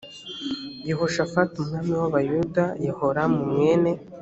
yehoshafati umwami w abayuda yehoramu mwene